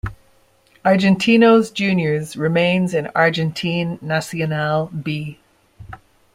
Argentinos Juniors remains in Argentine Nacional B.